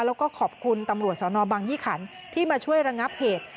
แล้วก็ขอบคุณตำรวจสนบังยี่ขันที่มาช่วยระงับเหตุ